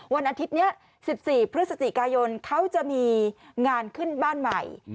วันอาทิตย์นี้๑๔พฤศจิกายนเขาจะมีงานขึ้นบ้านใหม่